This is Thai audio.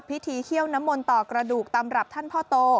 เคี่ยวน้ำมนต์ต่อกระดูกตำรับท่านพ่อโต